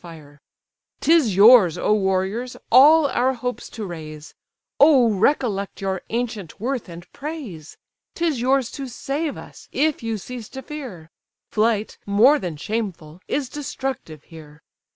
NEPTUNE RISING FROM THE SEA "'Tis yours, O warriors, all our hopes to raise: Oh recollect your ancient worth and praise! 'Tis yours to save us, if you cease to fear; Flight, more than shameful, is destructive here.